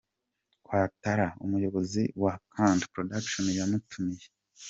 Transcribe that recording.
Ouattara, umuyobozi wa Canta Production yamutumiye.